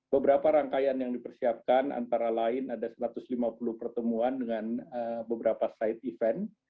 beberapa rangkaian yang dipersiapkan antara lain ada satu ratus lima puluh pertemuan dengan beberapa side event